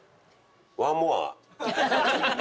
ワンモア。